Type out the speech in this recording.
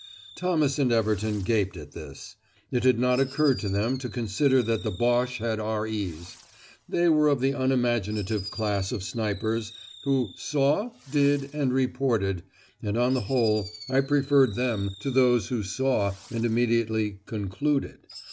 Thomas and Everton gaped at this. It had not occurred to them to consider that the Boche had R.E.'s. They were of the unimaginative class of snipers, who "saw, did, and reported," and on the whole I preferred them to those who saw, and immediately "concluded."